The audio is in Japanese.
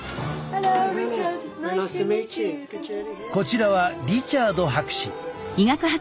こちらはリチャード博士。